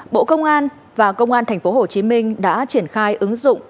bộ công an và công an tp hcm cho biết là bộ công an và bộ y tế đang triển khai ứng dụng vn eid